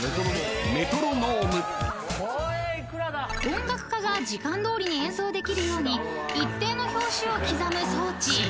［音楽家が時間どおりに演奏できるように一定の拍子を刻む装置］